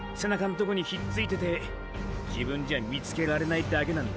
トコにひっついてて自分じゃ見つけられないだけなんだ。